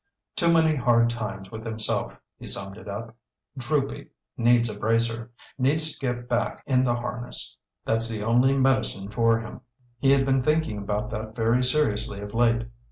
"Too many hard times with himself," he summed it up. "Droopy. Needs a bracer. Needs to get back in the harness that's the only medicine for him." He had been thinking about that very seriously of late.